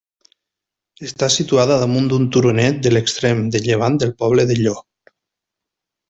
Està situada damunt d'un turonet de l'extrem de llevant del poble de Llo.